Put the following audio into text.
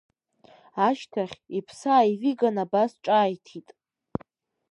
Ашьҭахь, иԥсы ааивиган абас ҿааиҭит…